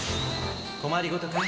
困りごとかい？